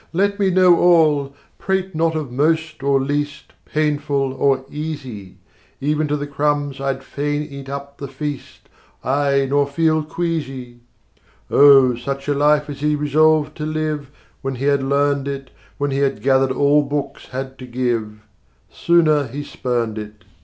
60 Let me know all! Prate not of most or least, Painful or easy! Even to the crumbs I'd fain eat up the feast, Ay, nor feel queasy." Oh, such a life as he resolved to live, When he had learned it, When he had gathered all books had to give! Sooner, he spurned it.